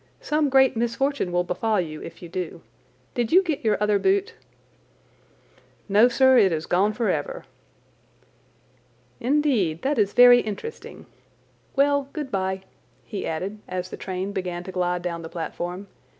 Some great misfortune will befall you if you do. Did you get your other boot?" "No, sir, it is gone forever." "Indeed. That is very interesting. Well, good bye," he added as the train began to glide down the platform.